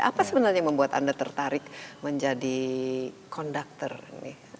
apa sebenarnya yang membuat anda tertarik menjadi konduktor ini